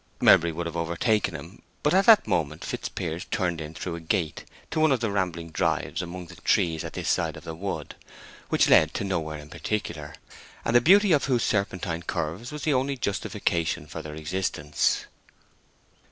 Melbury would have overtaken him, but at that moment Fitzpiers turned in through a gate to one of the rambling drives among the trees at this side of the wood, which led to nowhere in particular, and the beauty of whose serpentine curves was the only justification of their existence.